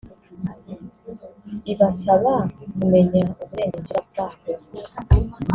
ibasaba ku menya uburenganzira bwaho